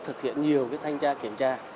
thực hiện nhiều cái thanh tra kiểm tra